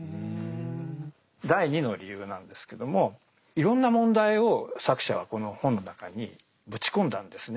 第２の理由なんですけどもいろんな問題を作者はこの本の中にぶち込んだんですね。